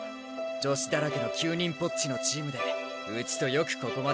女子だらけの９人ぽっちのチームでうちとよくここまで戦ったぜ。